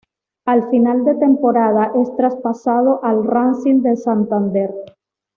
Al final de temporada es traspasado al Racing de Santander.